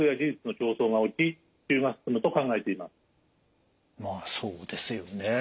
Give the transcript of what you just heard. まあそうですよね。